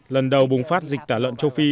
lần đầu bùng phát dịch tả lợn châu phi